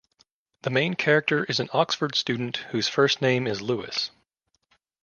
The main character is an Oxford student whose first name is Lewis.